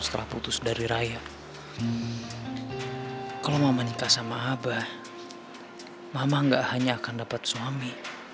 setelah putus dari raya kalau mau menikah sama abah mama nggak hanya akan dapat suami